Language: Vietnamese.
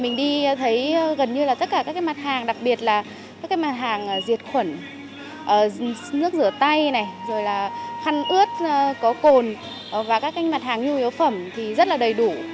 mình đi thấy gần như là tất cả các mặt hàng đặc biệt là các mặt hàng diệt khuẩn nước rửa tay khăn ướt có cồn và các mặt hàng nhu yếu phẩm thì rất là đầy đủ